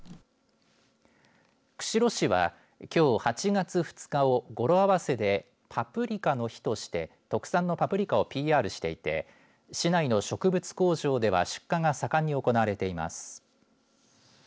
釧路市はきょう、８月２日を語呂合わせでパプリカの日として特産のパプリカをＰＲしていて市内の植物工場では出荷が盛んに行われています。